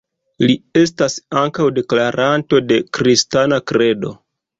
Li estas ankaŭ deklaranto de kristana kredo.